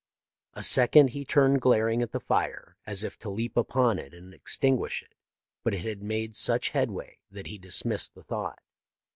A second he turned glaring at the fire, as if to leap upon it and extinguish it, but it had made such headway that he dismissed the thought.